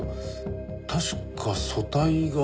確か組対が。